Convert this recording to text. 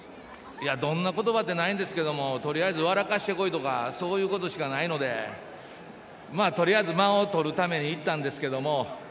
どんな言葉ってないんですけどとりあえず笑かしてこいとかそういうことしかないのでとりあえず間をとるために言ったんですけど。